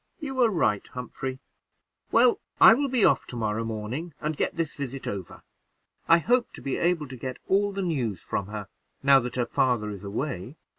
"You are right, Humphrey. Well, I will be off to morrow morning and get this visit over. I hope to be able to get all the news from her, now that her father is away.